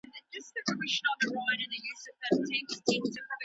طلاق زيات بد عواقب لري.